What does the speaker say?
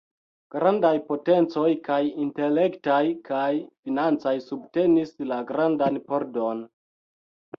Grandaj potencoj, kaj intelektaj kaj financaj subtenis la "grandan pordon".